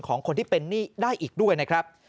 ของคนที่เป็นหนี้ได้อีกด้วยนะครับ